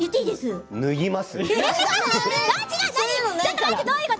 脱ぎます。